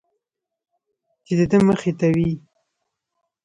چې د ده مخې ته وي.